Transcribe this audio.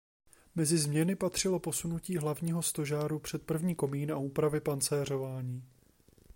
Mezi změny patřilo posunutí hlavního stožáru před první komín a úpravy pancéřování.